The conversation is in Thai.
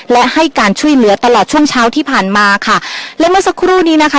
และให้การช่วยเหลือตลอดช่วงเช้าที่ผ่านมาค่ะและเมื่อสักครู่นี้นะคะ